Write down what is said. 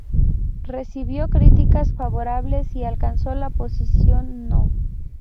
Recibió críticas favorables y alcanzó la posición No.